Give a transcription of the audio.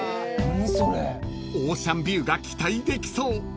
［オーシャンビューが期待できそう］